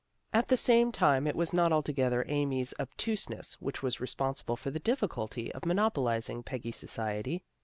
At the same time it was not altogether Amy's obtuseness which was responsible for the difficulty of monopo lizing Peggy's society.